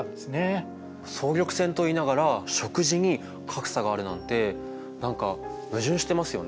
総力戦といいながら食事に格差があるなんて何か矛盾してますよね。